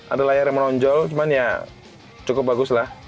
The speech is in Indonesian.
ada layar yang menonjol cuman ya cukup bagus lah